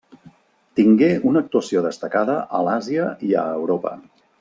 Tingué una actuació destacada a l'Àsia i a Europa.